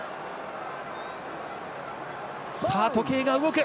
時計が動く。